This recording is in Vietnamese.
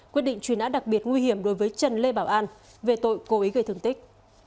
quyết định truy nã đặc biệt nguy hiểm đối với trần lê bảo an về tội cố ý gây thương tích